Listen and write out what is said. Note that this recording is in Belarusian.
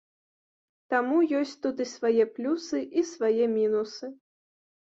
Таму ёсць тут і свае плюсы, і свае мінусы.